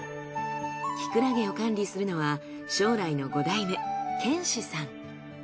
キクラゲを管理するのは将来の５代目賢志さん。